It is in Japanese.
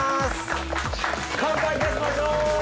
乾杯いたしましょう！